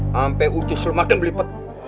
sampai ucus lu makan belipet